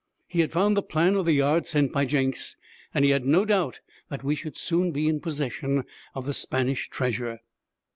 He had found the plan of the yard sent by Jenks, and he had no doubt that we should soon be in possession of the Spanish treasure.